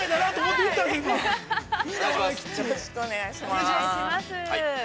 ◆よろしくお願いします。